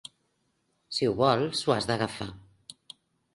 Si ho vols, ho has d'agafar.